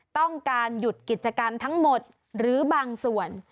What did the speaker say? ต้องการหยุดกิจกรรมทั้งหมดหรือบางส่วน